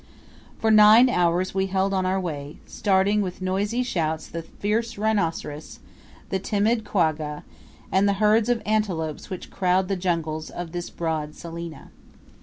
For nine hours we held on our way, starting with noisy shouts the fierce rhinoceros, the timid quagga, and the herds of antelopes which crowd the jungles of this broad salina.